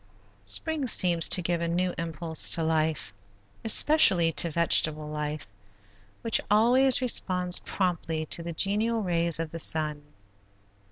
Spring seems to give a new impulse to life, especially to vegetable life, which always responds promptly to the genial rays of the sun.